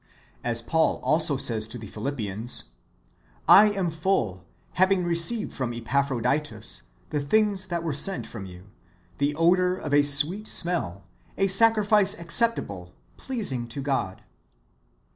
As Paul also says to the Philippians, "I am full, having received from Epaphroditus the things that were sent from you, the odour of a sweet smell, a sacrifice acceptable, pleasing to God."